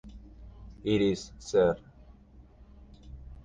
Iris ser.